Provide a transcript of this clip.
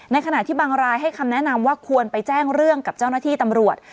ขณะที่บางรายให้คำแนะนำว่าควรไปแจ้งเรื่องกับเจ้าหน้าที่ตำรวจ